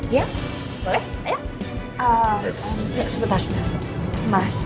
ya sebentar sebentar